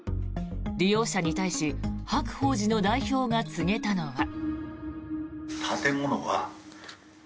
利用者に対し白鳳寺の代表が告げたのは。